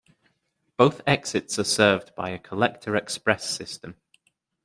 Both exits are served by a collector-express system.